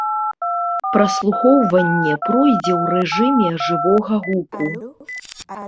Праслухоўванне пройдзе ў рэжыме жывога гуку.